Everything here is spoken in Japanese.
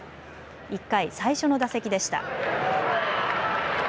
１回、最初の打席でした。